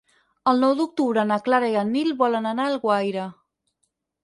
El nou d'octubre na Clara i en Nil volen anar a Alguaire.